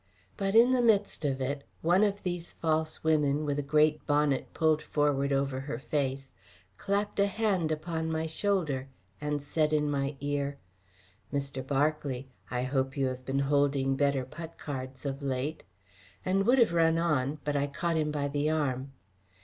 But in the midst of it one of these false women, with a great bonnet pulled forward over her face, clapped a hand upon my shoulder and said in my ear: "Mr. Berkeley, I hope you have been holding better putt cards of late;" and would have run on, but I caught him by the arm.